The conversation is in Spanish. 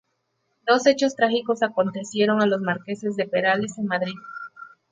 Dos hechos trágicos acontecieron a los marqueses de Perales en Madrid.